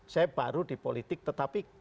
saya baru di politik tetapi